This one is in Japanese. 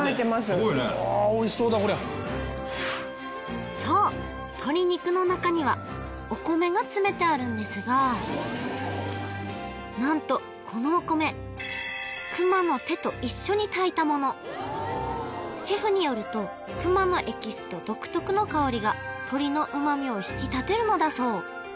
すごいねそう鶏肉の中にはお米が詰めてあるんですが何とこのお米熊の手と一緒に炊いたものシェフによると熊のエキスと独特の香りが鶏の旨味を引き立てるのだそう